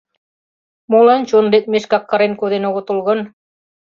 Молан чон лекмешкак кырен коден огытыл гын?